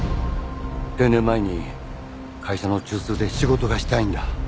定年前に会社の中枢で仕事がしたいんだ。